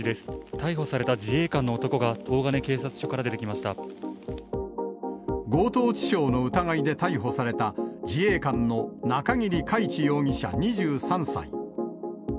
逮捕された自衛官の男が、強盗致傷の疑いで逮捕された、自衛官の中桐海知容疑者２３歳。